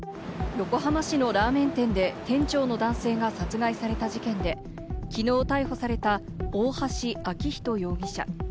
横浜市のラーメン店で店長の男性が殺害された事件で、きのう逮捕された大橋昭仁容疑者。